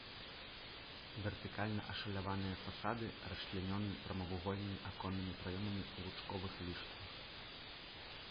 Вертыкальна ашаляваныя фасады расчлянёны прамавугольнымі аконнымі праёмамі ў лучковых ліштвах.